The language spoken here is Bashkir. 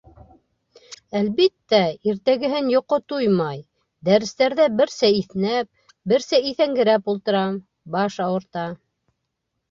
Әлбиттә, иртәгеһен йоҡо туймай, дәрестәрҙә берсә иҫнәп, берсә иҫәнгерәп ултырам, баш ауырта.